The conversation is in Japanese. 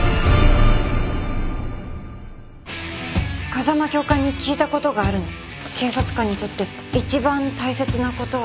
「風間教官に聞いたことがあるの」「警察官にとって一番大切なことは何ですか？って」